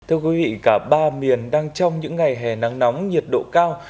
thưa quý vị cả ba miền đang trong những ngày hè nắng nóng nhiệt độ cao